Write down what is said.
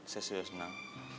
saya sudah senang